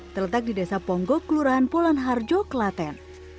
terletak di desa ponggo kelurahan polan harjo kelaten